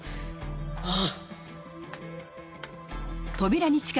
ああ。